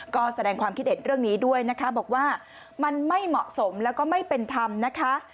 ก็แสดงความคิดเห็นเรื่องนี้ด้วยนะคะบอกว่ามันไม่เหมาะสมแล้วก็ไม่เป็นธรรมนะคะ